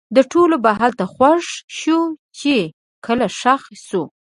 د ټولو به هلته خوښ شو؛ چې کله ښخ سو